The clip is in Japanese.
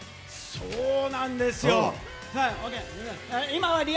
そうなんですよ。